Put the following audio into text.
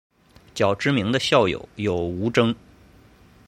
较知名的校友有吴峥。